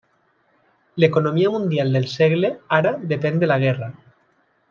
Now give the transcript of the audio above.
L'economia mundial del segle ara depèn de la guerra.